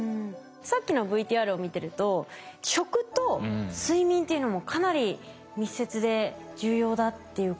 さっきのＶＴＲを見てると食と睡眠っていうのもかなり密接で重要だっていうことが分かりましたね。